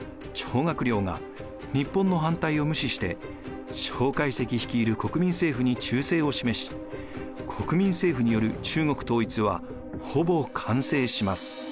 学良が日本の反対を無視して介石率いる国民政府に忠誠を示し国民政府による中国統一はほぼ完成します。